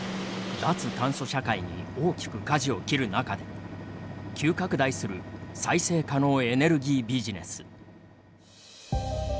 脱炭素社会に大きくかじを切る中で、急拡大する再生可能エネルギービジネス。